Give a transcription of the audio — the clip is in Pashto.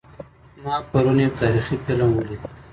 ما پرون یو تاریخي فلم ولید